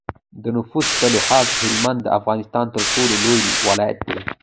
د نفوس په لحاظ هلمند د افغانستان تر ټولو لوی ولایت دی.